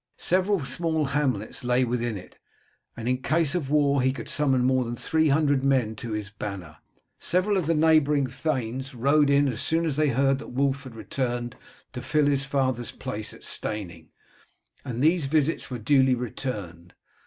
Several small hamlets lay within it, and in case of war he could summon more than three hundred men to his banner. Several of the neighbouring thanes rode in as soon as they heard that Wulf had returned to fill his father's place at Steyning, and these visits were duly returned.